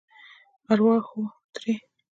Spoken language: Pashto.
ارواحو تړي.